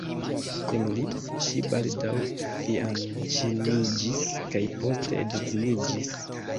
Kun li, ŝi baldaŭ fianĉiniĝis kaj poste edziniĝis.